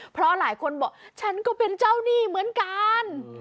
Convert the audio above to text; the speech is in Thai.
เพราะหลายคนบอกฉันก็เป็นเจ้าหนี้เหมือนกัน